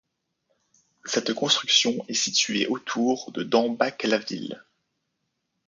Cette construction est située autour de Dambach-la-Ville.